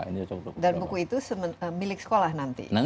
dan buku itu milik sekolah nanti